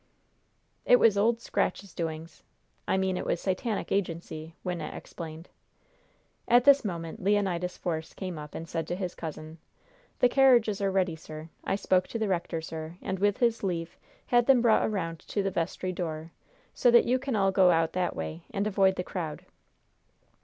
"It was Old Scratch's doings I mean it was Satanic agency," Wynnette explained. At this moment Leonidas Force came up, and said to his cousin: "The carriages are ready sir. I spoke to the rector, sir, and, with his leave, had them brought around to the vestry door, so that you can all go out that way, and avoid the crowd."